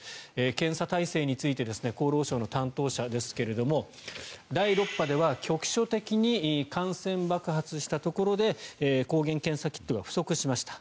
検査体制について厚労省の担当者ですが第６波では局所的に感染爆発したところで抗原検査キットが不足しました。